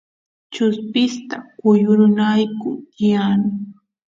chuspista kuyurinayku tiyan